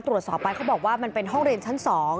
ตรวจสอบไปเขาบอกว่ามันเป็นห้องเรียนชั้น๒